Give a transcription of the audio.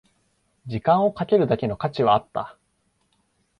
時間をかけるだけの価値はあった